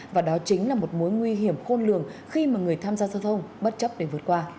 và đó chính là một mối nguy hiểm khôn lường khi mà người tham gia giao thông bất chấp để vượt qua